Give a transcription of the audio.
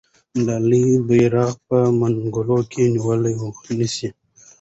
ملالۍ بیرغ په منګولو کې نیسي.